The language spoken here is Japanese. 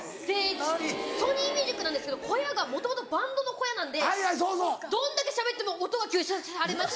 ソニー・ミュージックなんですけど小屋がもともとバンドの小屋なんでどんだけしゃべっても音が吸収されますし。